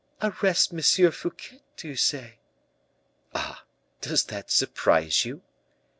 "Arrest M. Fouquet, do you say?" "Ah! does that surprise you?"